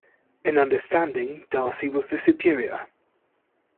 In understanding, Darcy was the superior.